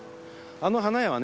あの花屋はね